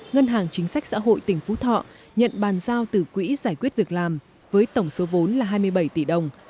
ngân hàng chính sách xã hội tỉnh phú thọ nhận bàn giao từ quỹ giải quyết việc làm với tổng số vốn là hai mươi bảy tỷ đồng